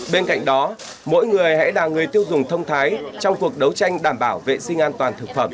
bên cạnh đó mỗi người hãy là người tiêu dùng thông thái trong cuộc đấu tranh đảm bảo vệ sinh an toàn thực phẩm